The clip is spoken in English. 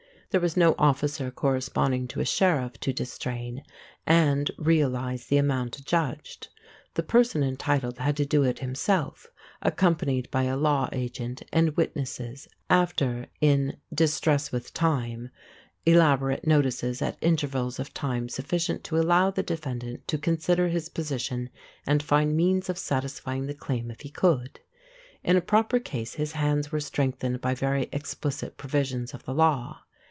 There was no officer corresponding to a sheriff to distrain and realize the amount adjudged; the person entitled had to do it himself, accompanied by a law agent and witnesses, after, in "distress with time", elaborate notices at intervals of time sufficient to allow the defendant to consider his position and find means of satisfying the claim if he could. In a proper case his hands were strengthened by very explicit provisions of the law.